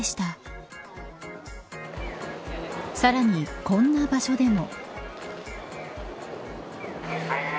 さらに、こんな場所でも。